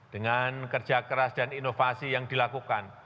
dengan kerja keras dan inovasi yang dilakukan